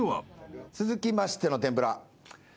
続きましての天ぷら。